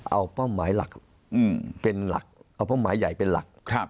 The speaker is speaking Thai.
เอาเป้าหมายหลักเป็นหลักเอาเป้าหมายใหญ่เป็นหลัก